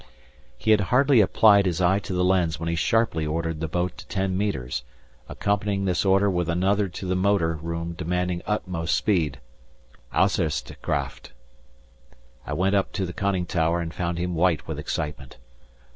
He had hardly applied his eye to the lens when he sharply ordered the boat to ten metres, accompanying this order with another to the motor room demanding utmost speed (Ausserste Kraft). I went up to the conning tower and found him white with excitement.